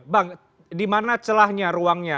bang di mana celahnya ruangnya